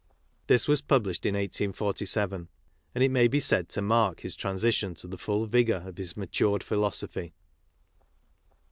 This was published iTrT§47, and it may be said to mark his transition to the full vigour of his matured philosophy.